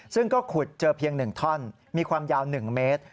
ซึ่งก็ขุดเจอเพียง๑ท่อนมีความยาว๑เมตร